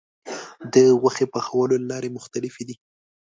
د غوښې پخولو لارې مختلفې دي.